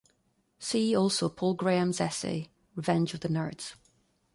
See also Paul Graham's essay "Revenge of the Nerds".